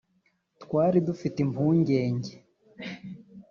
twari dufite impungenge